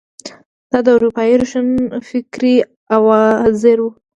دا د اروپايي روښانفکرۍ اوزار وو.